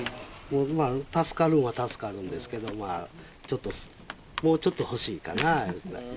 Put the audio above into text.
今、助かるのは助かるんですけど、ちょっと、もうちょっと欲しいかなという。